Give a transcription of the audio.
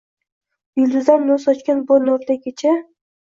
Yulduzlar nur sochgan bu nurli kecha